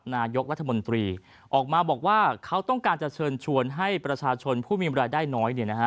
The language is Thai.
นายกรัฐมนตรีออกมาบอกว่าเขาต้องการจะเชิญชวนให้ประชาชนผู้มีรายได้น้อย